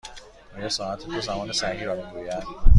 آیا ساعت تو زمان صحیح را می گوید؟